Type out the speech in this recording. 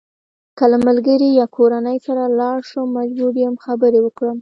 که له ملګري یا کورنۍ سره لاړ شم مجبور یم خبرې وکړم.